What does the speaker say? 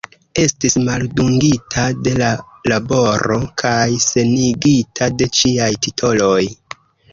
Estis maldungita de la laboro kaj senigita de ĉiaj titoloj.